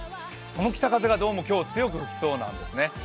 その北風が今日どうも強く吹きそうなんですね。